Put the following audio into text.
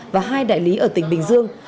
và hai đại lý ở tỉnh bình dương